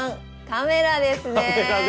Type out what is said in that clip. カメラですね。